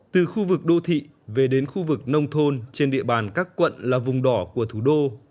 từ khu vực đô thị về đến khu vực nông thôn trên địa bàn các quận là vùng đỏ của thủ đô